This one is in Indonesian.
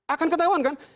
akan ketahuan kan